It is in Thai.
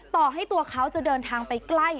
ต่อให้ตัวเขาจะเดินทางไปใกล้